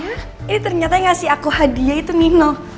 jadi ternyata yang ngasih aku hadiah itu nina